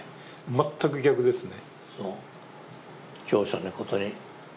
全く逆ですね。